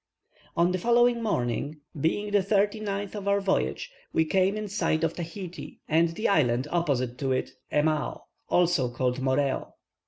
On the following morning, being the thirty ninth of our voyage, we came in sight of Tahiti, and the island opposite to it, Emao, also called Moreo.